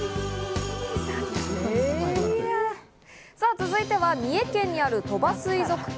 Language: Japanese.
続いては三重県にある鳥羽水族館。